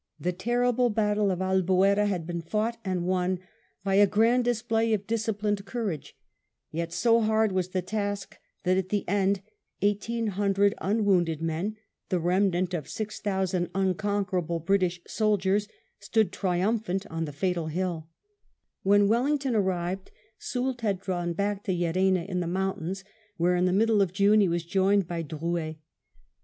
| I the terrible battle of Albuera had been fought and won I by a grand display of disciplined courage; yet so hard ' was the task, that at the end "eighteen hundred un wounded men, the remnant of six thousand unconquer able British soldiers, stood triumphant on the fatal hilL" When Wellington arrived, Soult had drawn back to Llerena in the mountains, where in the middle of June he was joined by Drouet.